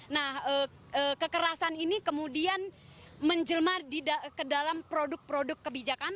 nah kekerasan ini kemudian menjelma ke dalam produk produk kebijakan